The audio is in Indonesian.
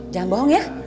jangan bohong ya